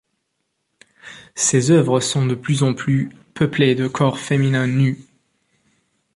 Ses œuvres sont de plus en plus peuplées de corps féminins nus.